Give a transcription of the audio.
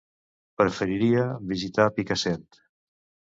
Preferiria visitar Picassent.